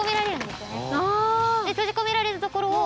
閉じ込められるところを。